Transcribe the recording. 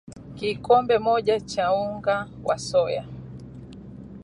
Kikombe moja cha unga wa soya